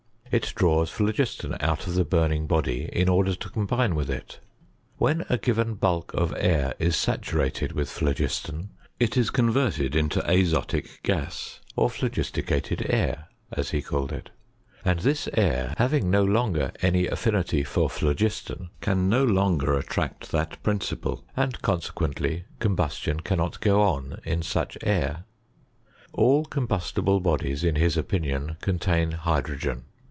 It draws phlogiston out of the burning body, in order to combine with it. When a given bulk of air is saturated with phlogiston, it is converted into azotic gas, or phlogisticated air, as he called it ; and this air, having no longer any affinity for phlogiston, can no longer attract that principle, and consequently combustion cannot go on in such air. All combustible bodies, in his opinion, contain hydrogen.